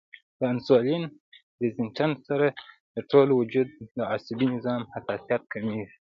د انسولين ريزسټنس سره د ټول وجود د عصبي نظام حساسیت کميږي